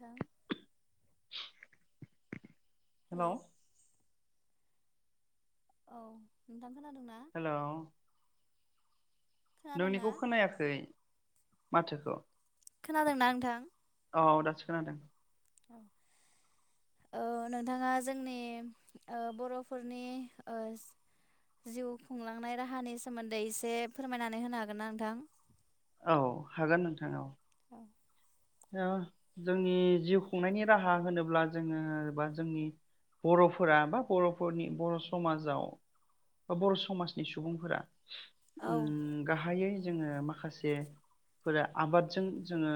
नोंथां hello hello. औ नोंथां खोनादोंना हेलौ खोनादोंना नोंनिखौ खोनायाखै माथोखौ खोनादोंना नोंथां औ दासो खोनादों ओ नोंथाङा जोंनि ओ बर'फोरनि जिउ खुंलांनाय राहानि सोमोन्दै एसे फोरमायनानै होनो हागोन ना नोंथां औ हागोन नोंथां औ [inaudible] जोंनि जिउ खुंनायनि राहा होनोब्ला जोङो बा जोंनि बर'फोरा बा बर'फोरनि बर' समाजाव बा बर' समाजनि सुबुंफोरा औ ओम गाहायै जोङो माखासेफोरा आबादजों जोङो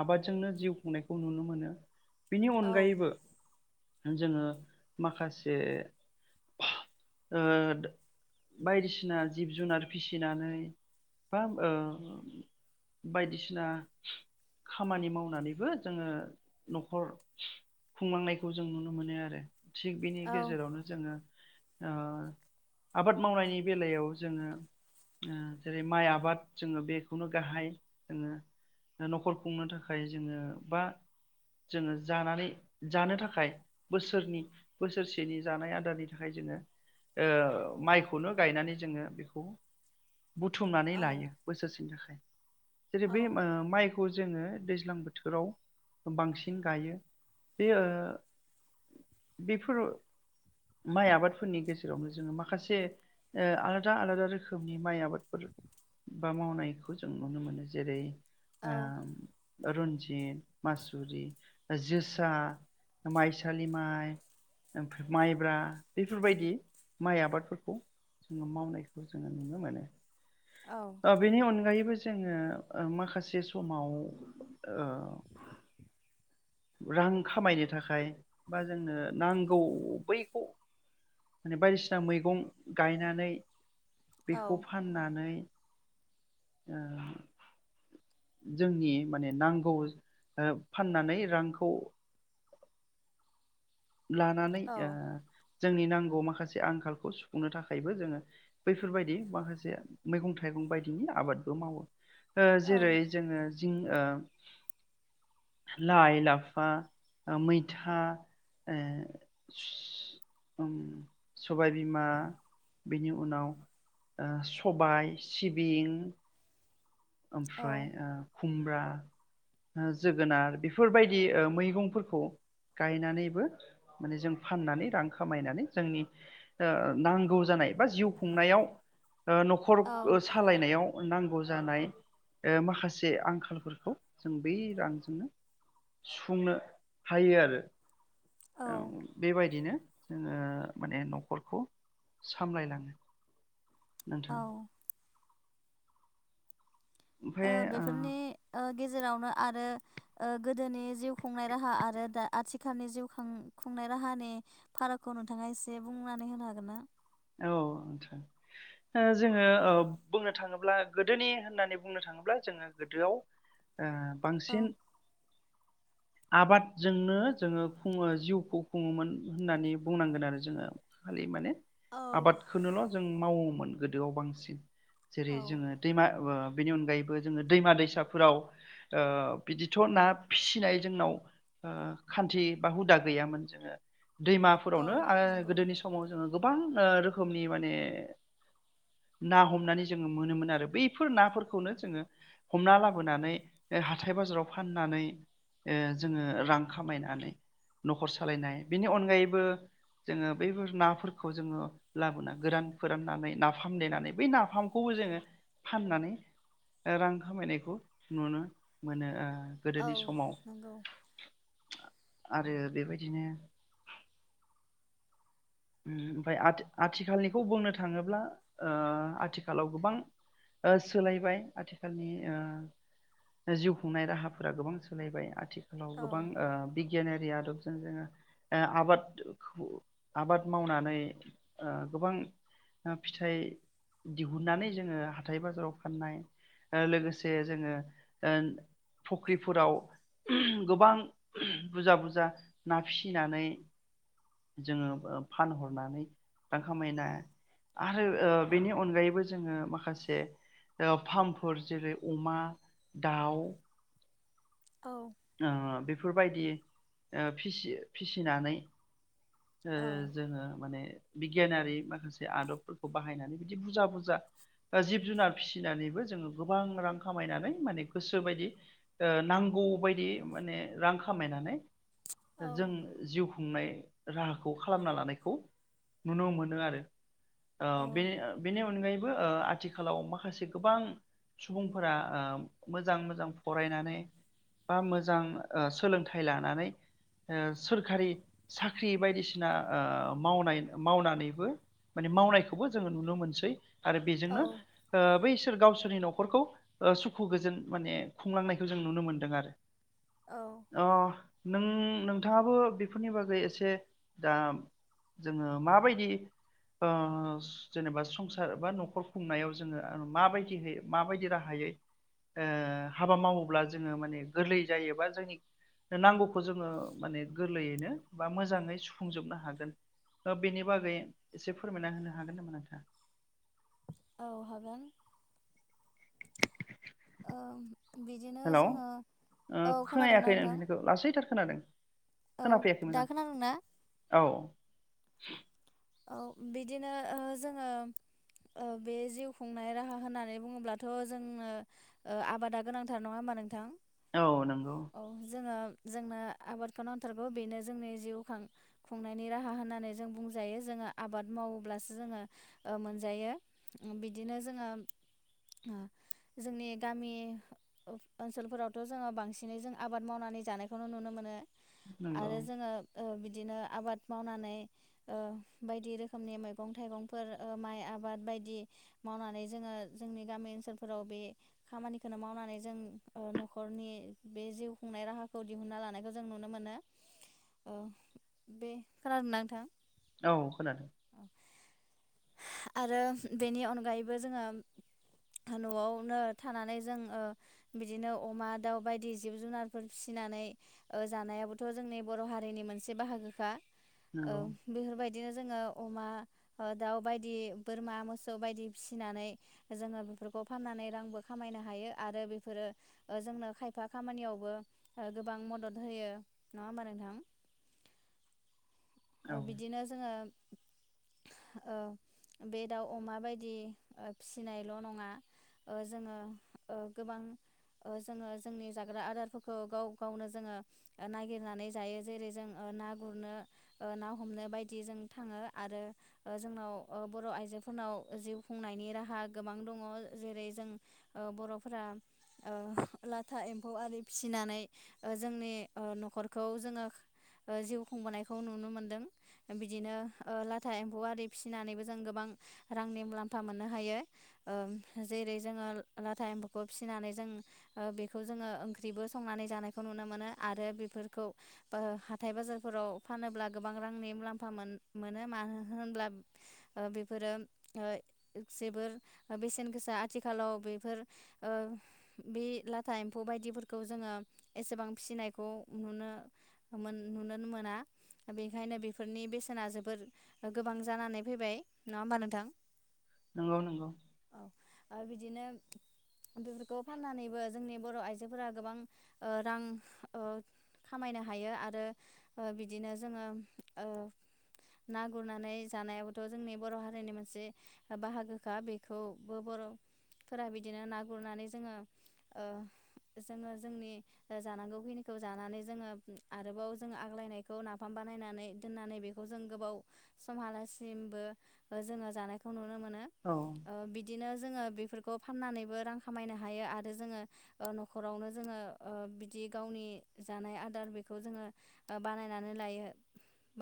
आबादजोंनो जिउ खुंनायखौ नुनो मोनो बिनि औ अनगायैबो जोङो माखासे ओ बायदिसिना जिब जुनार फिसिनानै बा ओ बायदिसिना खामानि मावनानैबो जोङो न'खर खुंलांनायखौ जों नुनो मोनो आरो थिग बेनि गेजेरावनो जोङो ओ आबाद मावनायनि बेलायाव जोङो जेरै माइ आबाद जोङो बेखौनो गाहाय जोङो न'खर खुंनो थाखाय जोङो बा जोङो जानानै जानो थाखाय बोसोरनि बोसोरसेनि जानाय आदारनि थाखाय जोङो माइखौनो गायनानै जोङो बेखौ बुथुमनानै औ लायो बोसोरसेनि थाखाय जेरै बे औ ओ माइखौ जोङो दैज्लां बोथोराव बांसिन गायो बेयो बेफोर माइ आबादफोरनि गेजेराव जोङो माखासे आलादा आलादा रोखोमनि माइ आबादफोर बा मावनायखौ जों नुनो मोनो जेरै ओ औ रन्जित मासुरि जोसा माइसालि माइ माइब्रा बेफोरबायदि माइ आबादफोरखौ जोङो मावनायखौ जोङो नुनो मोनो औ आ बेनि अनगैबो जोङो माखासे समाव ओ [inaudible] रां खामायनो थाखाय बा जोंनो नांगौ बैखौ माने बायदिसिना मैगं गायनानै औ बेखौ फाननानै जोंनि माने नांगौ फाननानै रांखौ लानानै जोंनि नांगौ माखासे आंखालखौ सुफुंनो थाखायबो जोङो बैफोरबायदि माखासे मैगं थाइगं बायदिनि आबादबो मावो ओ जेरै औ जोङो ओ लाइ लाफा मैथा ओ सबायबिमा बेनि उनाव ओ सबाय सिबिं ओमफ्राय ओ खुमब्रा जोगोनार बेफोरबायदि मैगंफोरखौ गायनानैबो माने जों फाननानै रां खामायनानै जोंनि ओ नांगौ जानाय बा जिउ खुंनायाव ओ न'खर औ सालायनायाव नांगौ जानाय माखासे आंखालफोरखौ जों बै रांजोंनो सुफुंनो हायो आरो औ बेबायदिनो जोङो माने न'खरखौ सामलायलाङो नोंथां औ ओ बेफोरनि ओ गेजेरावनो आरो गोदोनि जिउ खुंनाय राहा आरो दा आथिखालनि जिउ खां खुंनाय राहानि फारागखौ नोंथाङा एसे बुंनानै होनो हागोन ना? औ आतसा ओ जोङो ओ बुंनो थाङोब्ला गोदोनि होननानै बुंनो थाङोब्ला जोङो गोदोआव ओ औ बांसिन आबादजोंनो जोङो खुङो जिउखौ खुङोमोन होननानै बुंनांगोन आरो जोङो खालि माने औ आबादखोनोल' जों मावो। मोन गोदोआव बांसिन जेरै औ जोङो दैमा ओ बेनि अनगायैबो जोङो दैमा दैसाफोराव ओ बिदिथ' ना फिसिनाय जोंनाव खान्थि बा हुदा गैयामोन जोङो। औ दैमाफोरावनो आरो नंगौ गोदोनि समाव जोङो गोबां रोखोमनि माने ना हमनानै जोङो मोनोमोन आरो बैफोर नाफोरखौनो जोङो हमना लाबोनानै हाथाय बाजाराव फाननानै जोङो रां खामायनानै न'खर सालायनाय बेनि अनगायैबो जोङो बैफोर नाफोरखौ जोङो। लाबोना गोरान फोराननानै नाफाम देनानै बै नाफामखौबो जोङो फाननानै रां खामायनायखौ नुनो मोनो ओ गोदोनि औ समाव नंगौ। आरो बेबायदिनो ओमफ्राय आथिखालनिखौ बुंनो थाङोब्ला ओ आथिखालाव गोबां सोलायबाय आथिखालनि जिउ खुंनाय राहाफोरा गोबां सोलायबाय आथि आथिखालाव औ गोबां ओ बिगियानारि आरो जों जोङो ओ आबाद खौ आबाद मावनानै गोबां फिथाइ दिहुननानै जोङो हाथाइ बाजाराव फाननाय लोगोसे जोङो फख्रिफोराव गोबां बुरजा बुरजा ना फिसिनानै जोङो। फानहरनानै रां खामायना आरो बेनि अनगायैबो जोङो माखासे फार्मफोर जेरै अमा दाउ औ ओ बे बेफोरबायदि ओ फिसि फिसिनानै ओ औ जोङो माने बिगियानारि माखासे आदबफोरखौ बाहायनानै बिदि बुरजा बुरजा जिब जुनार फिसिनानैबो जोङो गोबां रां खामायनानै माने गोसो बायदि नांगौबायायदि माने रां खामायनानै औ जों जिउ खुंनाय राहाखौ खालामना लानायखौ नुनो मोनो आरो। ओ औ बे बेनि अनगायै बो आथिखालाव माखासे गोबां सुबुंफोरा ओ मोजां मोजां फरायनानै बा मोजां ओ सोलोंथाइ लानानै ओ सोरखारि साख साख्रि बायदिसिना ओ मावनाय मावनानैबो माने मावनायखौबो जोङो नुनो मोनसै आरो औ बेजोंनो ओ बै बिसोर गावसोरनि न'खरखौ ओ सुखु गोजोन माने खुंलांनायखौ जों नुनो मोनदों आरो औ नों नोंथाङाबो बेफोरनि बागै से दाम जोङो माबायदि ओ जेनेबा सु संसार बा न'खर खुंनायाव जोङो माबायदि माबायदि राहायै ओ हाबा मावोब्ला जोङो माने गोरलै जायोबा जोंनि नांगौखौ जोङो माने गोरलैयैनो बा मोजाङै सुफुंजोबनो हागोन ओ बेनि बागै एसे फोरमायना होनो हागोन नामा नोंथाङा औ हागोन ओ बिदिनो हेलौ जोङो ओ औ खोनायाखै खोनादोंना नोंथां नोंथांनिखौ लासैथार खोनादों औ खोनाफैयाखै मोजां दा खोनादोंना [inaudible] औ बिदिनो ओ जोङो ओ बे जिउ खुंनाय राहा होननानै बुङोब्लाथ' जोंनो ओ आबादा गोनांथार नङा होमबा नोंथां औ नंगौ औ जोङो जोंनो आबादखौ नांथारगौ बेनो जोंनि जिउ खां खुंनायनि राहा होननानै जों बुं जायो जोङो आबाद मावोब्लासो जोङो ओ मोनजायो बिदिनो जोङो जोंनि गामि ओनसोलफोरावथ' जोङो बांसिनै जों आबाद मावनानै जानायखौनो नुनो मोनो नंगौ आरो जोङो ओ बिदिनो आबाद मावनानै ओ बायदि रोखोमनि मैगं थाइगंफोर ओ माइ आबाद बायदि मावनानै जोङो जोंनि गामि ओनसोलफोराव बे खामानिखौनो मावनानै जों ओ न'खरनि बे जिउ खुंनाय राहाखौ दिहुनन्ना लानायखौ जों नुनो मोनो ओ बे खोनादोंना नोंथां औ खोनादों आरो बेनि अनगायैबो जोङो न'आवनो थानानै जों ओ बिदिनो अमा दाउ बायदि जिब जुनारफोर फिसिनानै ओ जानायाबोथ' जोंनि बर' हारिनि मोनसे बाहागोखा नोंगौ बिदिनो जोंङो अमा ओ दाउ बायदि बोरमा मोसौ बायदि फिसिनानै जोङो बेफोरखौ फाननानै रांबो खामायनो हायो आरो बेफोरो ओ जोंनो खायफा खामानियावबो गोबां मदद होयो नङा होमबा नोंथां औ ओ बिदिनो जोङो ओ बे दाउ अमा बायदि ओ फिसिनायल' नङा ओ जोङो ओ गोबां ओ जोङो जोंनि जाग्रा आदारफोरखौ गाव गावनो जोङो नागिरनानै जायो जेरै ओ जों ना गुरनो ओ ना हमनो बायदि जों थाङो आरो ओ जोंनाव ओ बर' आइजोफोरनाव जिउ खुंनायनि राहा गोबां दङ जेरै जों ओ बर'फोरा ओ लाथा एम्फौ आरि फिसिनानै ओ जोंनि ओ न'खरखौ जोङो ओ जिउ खुंबोनाय खौ नुनो मोनदों बिदिनो ओ लाथा एम्फौ आरि फिसिनानैबो जों गोबां रांनि मुलाम्फा मोननो हायो ओ जेरै जोङो लाथा एम्फौखौ फिसिनानै जों ओ बेखौ जोङो ओंख्रिबो संनानै जानायखौ नुनो मोनो आरो बेफोरखौ बो हाथाइ बाजारफोराव फानोब्ला गोबां रांनि मुलाम्फा मोन मोनो माहोन होनब्ला ओ बेफोरो ओ जोबोर बेसेन गोसा आथिखालाव बेफोर ओ बि लाथा एम्फौ बायदिफोरखौ जोङो एसेबां फिसिनायखौ नुनो मोन नुनो मोना बेखायनो बेफोरनि बेसेना जोबोर गोबां जानानै फैबाय नङा होमबा नोंथां नंगौ नंगौ आ बिदिनो बेफोरखौ फाननानैबो जोंनि बर' आइजोफोरा गोबां ओ रां ओ खामायनो हायो आरो बिद दिनो जोङो ओ ना गुरनानै जानायावथ' जोंनि बर' हारिनि मोनसे बाहागोखा बेखौबो बर'फोरा बिदिनो ना गुरनानै जोङो ओ जोङो जोंनि जानांगौ खिनिखौ जानानै जोङो आरोबाव जोङो आग्लायनाय खौ नाफाम बानायनानै दोननानै बेखौ जों गोबाव समहालासिमबो जोङो जानायखौ नुन नुनो मोनो औ ओ बिदिनो जोङो बेफोर खौ फाननानैबो रां खामायनो हायो आरो जोङो ओ न'खरावनो जोङो ओ बिदि गावनि जानाय आदार बेखौ जोङो ओ बानायनानै लायो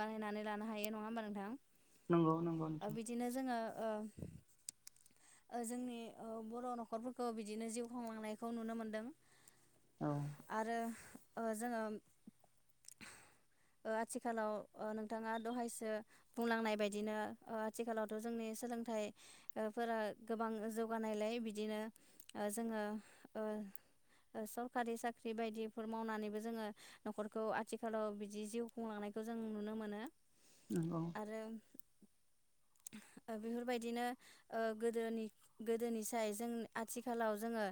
बानायनानै लानो हायो नङा होमबा नोंथां नंगौ नंगौ ओ नोंथां बिदिनो जोङो ओ ओ जोंनि ओ बर' न'खरफोरखो बिदिनो जिउ खुंलांनायखौ नुनो मोनदों औ आरो ओ जोङो ओ आथिखालाव नोंथाङा दहायसो बुंलांनाय बायदिनो ओ आथिखालावथ' जोंनि सोलोंथाइ ओ फोरा गोबां ओ जौगानायलाय बिदिनो ओ जोङो ओ ओ सरखारि साख्रि बायदिफोर मावनानैबो जोङो न'खरखौ आथिखालाव बिदि जिउ खुंलांनायखौ जों नुनो मोनो। नंगौ आरो बेफोरबायदिनो ओ गोदोनि गोदोनिसाय जों आथिखालाव जोङो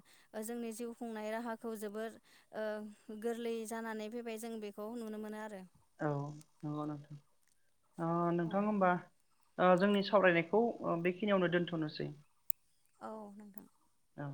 जोंनि जिउ खुंनाय राहाखौ जोबोर ओ गोरलै जानानै फैबाय जों बेखौ नुनो मोनो आरो औ नंगौ नोंथां अ औ नोंथां होमबा ओ जोंनि सावरायनायखौ ओ बेखिनियावनो दोन्थ'नोसै औ नोंथां औ